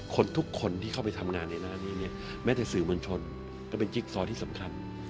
ทุกคนที่เข้าไปทำงานในหน้านี้เนี่ยแม้แต่สื่อมวลชนก็เป็นจิ๊กซอที่สำคัญ